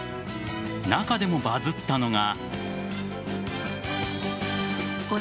中でもバズったのが。